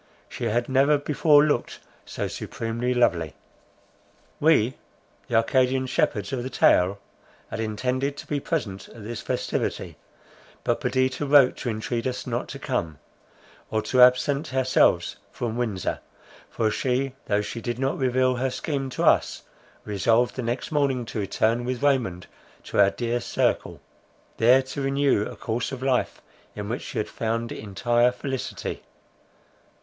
She had never before looked so supremely lovely. We, the Arcadian shepherds of the tale, had intended to be present at this festivity, but Perdita wrote to entreat us not to come, or to absent ourselves from Windsor; for she (though she did not reveal her scheme to us) resolved the next morning to return with Raymond to our dear circle, there to renew a course of life in which she had found entire felicity.